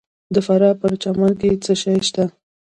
د فراه په پرچمن کې څه شی شته؟